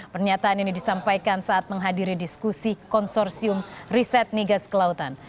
pernyataan ini disampaikan saat menghadiri diskusi konsorsium riset migas kelautan